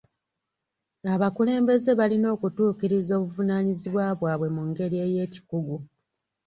Abakulembeze balina okutuukiriza obuvunaanyizibwa bwabwe mu ngeri y'ekikugu.